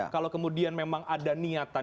kalau kemudian memang ada niatan